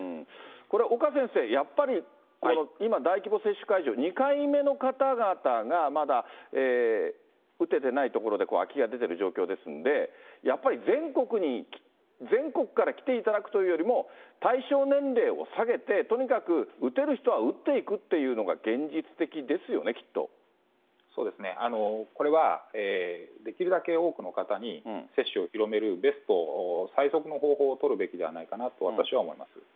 これ、岡先生、やっぱり今、大規模接種会場、２回目の方々がまだ打ててないところで空きが出てる状況ですので、やっぱり全国から来ていただくというよりも、対象年齢を下げて、とにかく打てる人は打っていくというのが、現実的ですよね、きっそうですね、これはできるだけ多くの方に接種を広めるベスト、最速の方法を取るべきではないかなと、私は思います。